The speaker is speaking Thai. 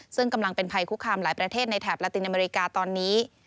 ซึ่งกำลังเป็นภัยคุกคามหลายประเทศในแถบลาตินอเมริกาตอนนี้